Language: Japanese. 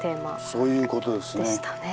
そういうことですね。